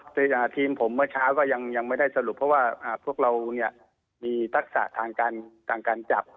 คือทีมผมเมื่อเช้าก็ยังไม่ได้สรุปเพราะว่าพวกเราเนี่ยมีทักษะทางการจับ